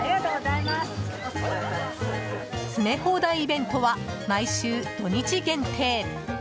詰め放題イベントは毎週土日限定。